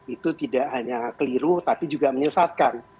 itu tidak hanya keliru tapi juga menyesatkan